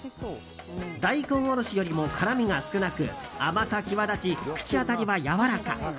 大根おろしよりも辛みが少なく甘さ際立ち、口当たりはやわらか。